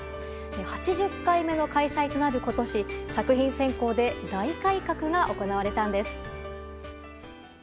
８０回目の開催となる今年作品選考で大改革が行われたんです。